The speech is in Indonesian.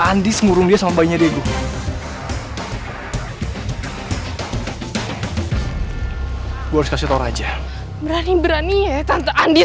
andi ngurung dia sama bayinya dia gua kasih tau aja berani berani ya tante andi